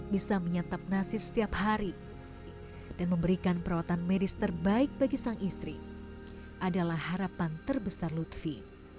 bisa menyantap nasib setiap hari dan memberikan perawatan medis terbaik bagi sang istri adalah harapan terbesar lutfi